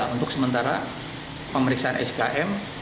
untuk sementara pemeriksaan skm